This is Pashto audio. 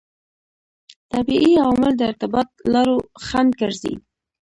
طبیعي عوامل د ارتباط لارو خنډ ګرځي.